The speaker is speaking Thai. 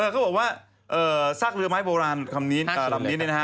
เขาบอกว่าสร้างเวลไม้โบราณหลังนี้